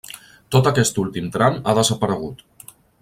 Tot aquest últim tram ha desaparegut.